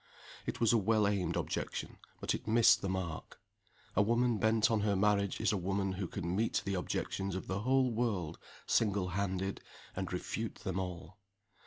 It was a well aimed objection but it missed the mark. A woman bent on her marriage is a woman who can meet the objections of the whole world, single handed, and refute them all.